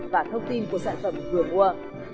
và thông tin của sản phẩm vừa mua